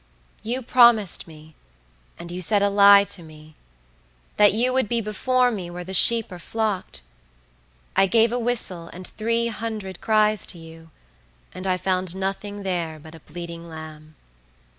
You promised me, and you said a lie to me, that you would be before me where the sheep are flocked; I gave a whistle and three hundred cries to you, and I found nothing there but a bleating lamb.